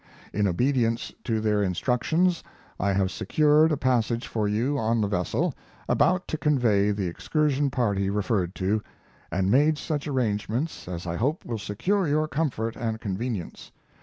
In obedience to their instructions I have secured a passage for you on the vessel about to convey the excursion party referred to, and made such arrangements as I hope will secure your comfort and convenience.